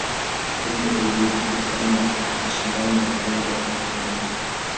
Wengi walidiriki kusema mashindano ya urembo yanapoteza muda